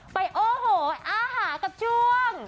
ไปโอ้โห้อาหากับช่วง